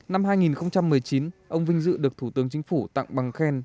năm hai nghìn một mươi chín ông vinh dự được thủ tướng chính phủ tặng bằng khen